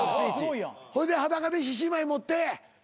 ほいで裸で獅子舞持って。